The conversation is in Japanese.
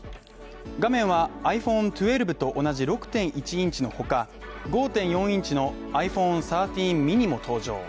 画面はｉＰｈｏｎｅ１２と同じ６．１インチのほか５．４インチのｉＰｈｏｎｅ１３ｍｉｎｉも登場